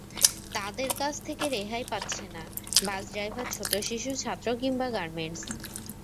তাঁদের কাছ থেকে রেহাই পাচ্ছে না—বাস ড্রাইভার, ছোট্ট শিশু, ছাত্র কিংবা গার্মেন্টস।